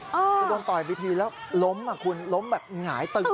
คือโดนต่อยไปทีแล้วล้มอ่ะคุณล้มแบบหงายตึง